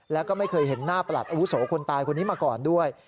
แล้วก็ไม่เคยเห็นหน้าประหลัดอาวุโสคนตายคนนี้มาก่อนด้วย